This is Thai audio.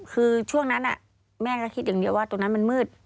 คือช่วงนั้นแม่ก็คิดอย่างเดียวว่าตรงนั้นมันมืด